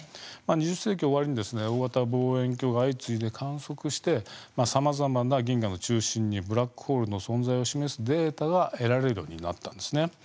２０世紀終わりに大型望遠鏡が相次いで観測してさまざまな銀河の中心にブラックホールの存在を示すデータが得られるようになったんです。